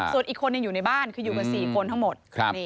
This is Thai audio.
ส่วนอีกคนยังอยู่ในบ้านคืออยู่กัน๔คนทั้งหมด